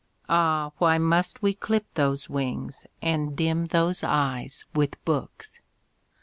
Ah! why must we clip those wings and dim those eyes with books?